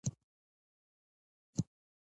هغه پنځوس کلن سړی ښايي د قبیلې مشر و.